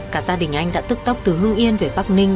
cả gia đình anh đã tức tốc từ hưng yên về bắc ninh